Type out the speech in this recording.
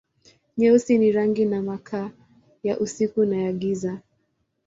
Nyeusi ni rangi na makaa, ya usiku na ya giza.